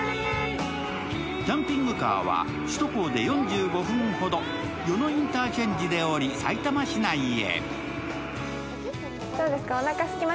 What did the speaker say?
キャンピングカーは首都高で４５分ほど、与野インターチェンジで降り、さいたま市内へ。